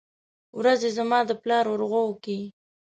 ورځې زما دپلار ورغوو کې